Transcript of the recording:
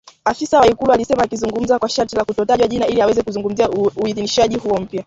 afisa wa Ikulu alisema akizungumza kwa sharti la kutotajwa jina ili aweze kuzungumzia uidhinishaji huo mpya